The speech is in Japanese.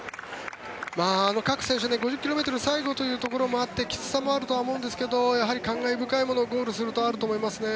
各選手５０ｋｍ競歩ということもあってきつさもあるとは思うんですが感慨深いものがゴールするとあると思います。